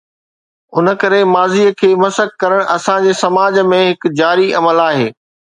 ان ڪري ماضيءَ کي مسخ ڪرڻ اسان جي سماج ۾ هڪ جاري عمل آهي.